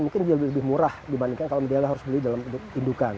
mungkin dia lebih murah dibandingkan kalau beli dalam indukan